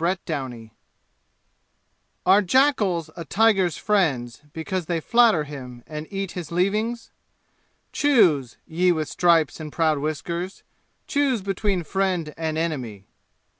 Chapter X Are jackals a tiger's friends because they flatter him and eat his leavings? Choose, ye with stripes and proud whiskers, choose between friend and enemy.